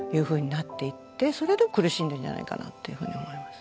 それで苦しんでんじゃないかなっていうふうに思います。